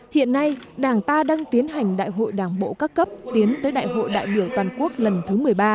hiện nay đảng ta đang tiến hành đại hội đảng bộ các cấp tiến tới đại hội đại biểu toàn quốc lần thứ một mươi ba